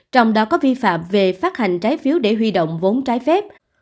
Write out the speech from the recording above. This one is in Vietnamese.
trong đó có vi phạm về phát hành trái phiếu để huy động vốn trái phép